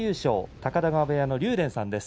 高田川部屋の竜電さんです。